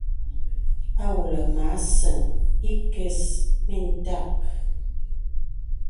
À wolɔ̀ mə à səŋ ìkə̀s mìntàk.